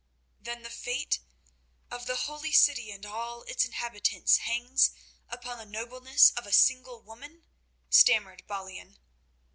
"Then the fate of the holy city and all its inhabitants hangs upon the nobleness of a single woman?" stammered Balian.